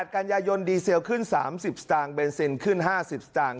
กันยายนดีเซลขึ้น๓๐สตางค์เบนซินขึ้น๕๐สตางค์